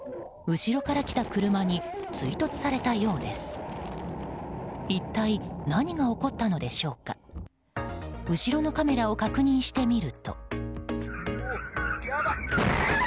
後ろのカメラを確認してみると。